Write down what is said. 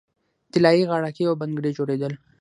طلايي غاړکۍ او بنګړي جوړیدل